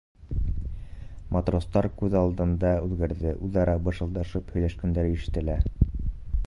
Матростар күҙ алдында үҙгәрҙе, үҙ-ара бышылдашып һөйләшкәндәре ишетелә.